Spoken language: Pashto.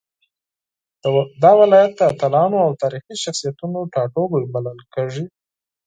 دا ولايت د اتلانو او تاريخي شخصيتونو ټاټوبی بلل کېږي.